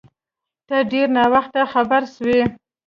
ته ډیر ناوخته خبر سوی